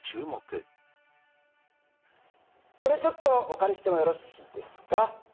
これちょっとおかりしてもよろしいですか？